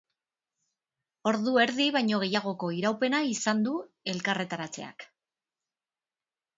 Ordu erdi baino gehiagoko iraupena izan du elkarretaratzeak.